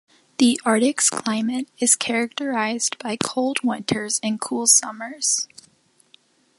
The Arctic's climate is characterized by cold winters and cool summers.